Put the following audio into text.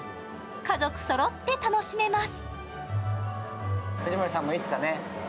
家族そろって楽しめます。